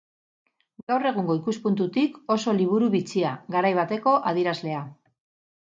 Gaur egungo ikuspuntutik oso liburu bitxia, garai bateko adierazlea.